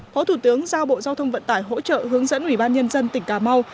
phó thủ tướng giao bộ giao thông vận tải hỗ trợ hướng dẫn ủy ban nhân dân tỉnh cà mau